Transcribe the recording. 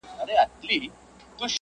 • چي یې زور د مټو نه وي تل زبون دی -